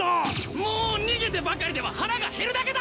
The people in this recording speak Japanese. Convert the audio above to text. もう逃げてばかりでは腹が減るだけだ！